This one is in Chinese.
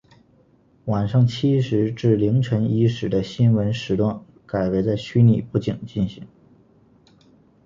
晚上七时至凌晨一时的新闻时段改为在虚拟布景进行。